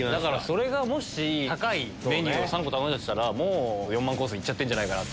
それがもし高いメニュー３個頼んだとしたらもう４万コースいっちゃってんじゃないかな。